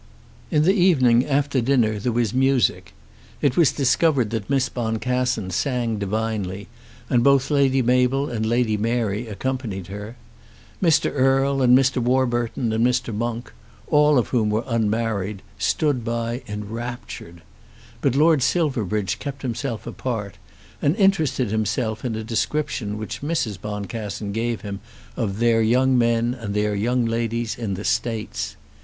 In the evening after dinner there was music. It was discovered that Miss Boncassen sang divinely, and both Lady Mabel and Lady Mary accompanied her. Mr. Erle, and Mr. Warburton, and Mr. Monk, all of whom were unmarried, stood by enraptured. But Lord Silverbridge kept himself apart, and interested himself in a description which Mrs. Boncassen gave him of their young men and their young ladies in the States.